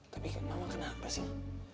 tapi mama kenapa sih